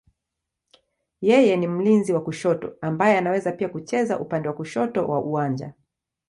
Yeye ni mlinzi wa kushoto ambaye anaweza pia kucheza upande wa kushoto wa uwanja.